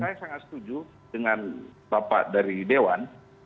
saya sangat setuju dengan bapak dari dewan